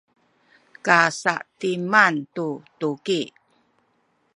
kasa’timan tu tuki